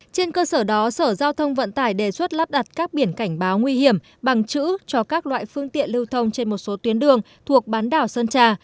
trên cơ sở đó sở giao thông vận tải đề xuất lắp đặt các biển cảnh báo nguy hiểm bằng chữ cho các loại phương tiện lưu thông trên một số tuyến đường thuộc bán đảo sơn trà